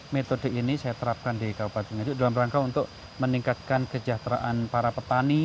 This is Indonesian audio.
metode ini saya terapkan di kabupaten nganjuk dalam rangka untuk meningkatkan kesejahteraan para petani